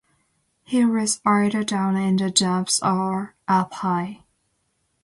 He was either down in the dumps or up high.